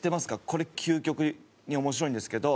これ究極に面白いんですけど。